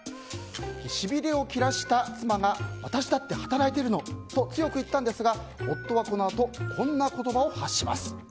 しびれを切らした妻が私だって働いてるの！と強くいったんですが夫はこのあとこんな言葉を発します。